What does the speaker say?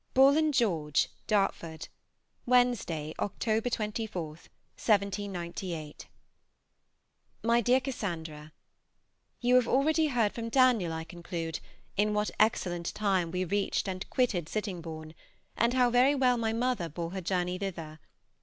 "BULL AND GEORGE," DARTFORD, Wednesday (October 24, 1798). MY DEAR CASSANDRA, You have already heard from Daniel, I conclude, in what excellent time we reached and quitted Sittingbourne, and how very well my mother bore her journey thither.